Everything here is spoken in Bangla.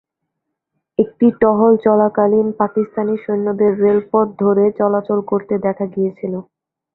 একটি টহল চলাকালীন, পাকিস্তানি সৈন্যদের রেলপথ ধরে চলাচল করতে দেখা গিয়েছিল।